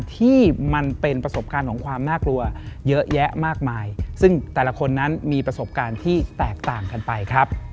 ที่มันเป็นประสบการณ์ของความน่ากลัวเยอะแยะมากมายซึ่งแต่ละคนนั้นมีประสบการณ์ที่แตกต่างกันไปครับ